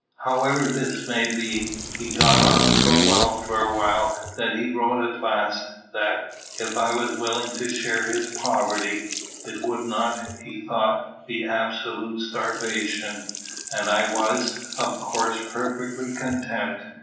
However this may be, he had got on so well for a while that he wrote at last, that, if I was willing to share his poverty, it would not, he thought, be absolute starvation; and I was, of course, perfectly content.